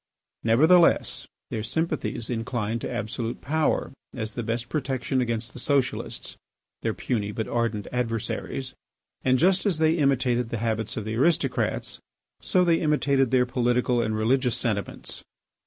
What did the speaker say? Nevertheless, their sympathies inclined to absolute power as the best protection against the socialists, their puny but ardent adversaries. And just as they imitated the habits of the aristocrats, so they imitated their political and religious sentiments.